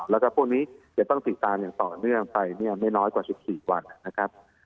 แล้วก็พวกนี้จะต้องติดตามอย่างต่อเนื่องไปเนี่ยไม่น้อยกว่า๑๔วันนะครับ